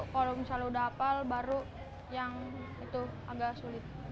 kalau misalnya udah apal baru yang agak sulit